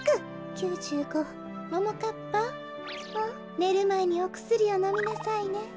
ねるまえにおくすりをのみなさいね。